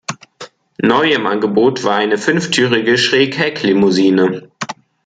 Neu im Angebot war eine fünftürige Schräghecklimousine.